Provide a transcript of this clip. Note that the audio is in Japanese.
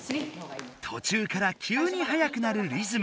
とちゅうからきゅうにはやくなるリズム！